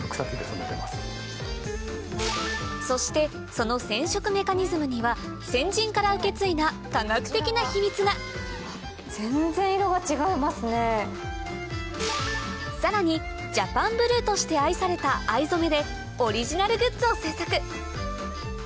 そしてその染色メカニズムには先人から受け継いだ科学的な秘密がさらにジャパンブルーとして愛された・ハハハ！